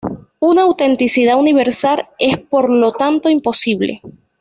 Una autenticidad universal es por lo tanto imposible.